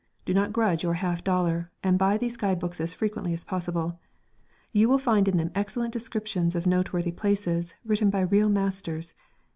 Do not grudge your half dollar, and buy these guide books as frequently as possible. You will find in them excellent descriptions of noteworthy places, written by real masters.